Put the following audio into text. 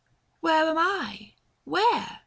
Where am I ? where ?